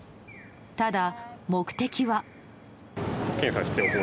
ただ、目的は。